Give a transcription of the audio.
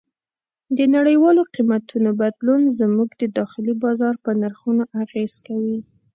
د نړیوالو قیمتونو بدلون زموږ د داخلي بازار په نرخونو اغېز کوي.